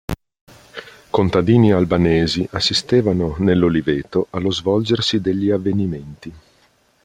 Contadini albanesi assistevano, nell'oliveto, allo svolgersi degli avvenimenti.